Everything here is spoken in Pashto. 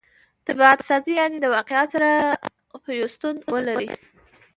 طبعت سازي؛ یعني د واقعیت سره پیوستون ولري.